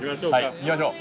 行きましょう！